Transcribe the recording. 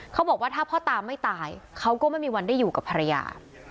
เขาบอกว่าถ้าพ่อตาไม่ตายเขาก็ไม่มีวันได้อยู่กับภรรยา